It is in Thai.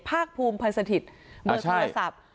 พรากภูมิพรสถิตเวอร์โทรศัพท์